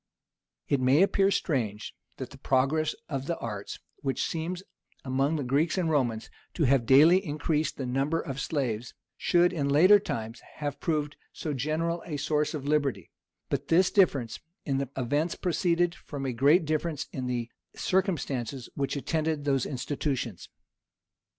It may appear strange that the progress of the arts, which seems, among the Greeks and Romans, to have daily increased the number of slaves, should, in later times, have proved so general a source of liberty; but this difference in the events proceeded from a great difference in the circumstances which attended those institutions.